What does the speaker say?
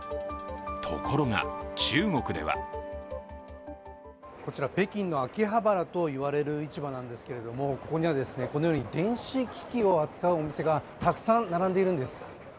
ところが、中国ではこちら北京の秋葉原と言われる市場なんですけれどもここにはこのように電子機器を扱うお店がたくさん並んでいるんです。